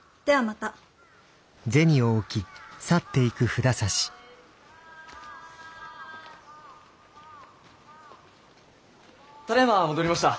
ただいま戻りました。